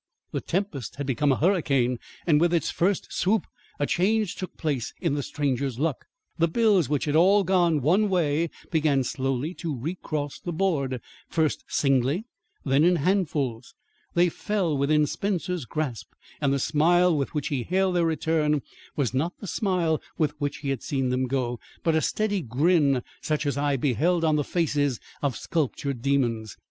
The tempest had become a hurricane, and with its first swoop a change took place in the stranger's luck. The bills which had all gone one way began slowly to recross the board, first singly, then in handfuls. They fell within Spencer's grasp, and the smile with which he hailed their return was not the smile with which he had seen them go, but a steady grin such as I had beheld on the faces of sculptured demons.